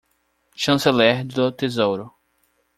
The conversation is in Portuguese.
Chanceler do Tesouro